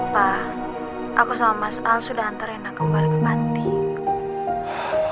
pah aku sama mas al sudah hantar rena kembali ke bantin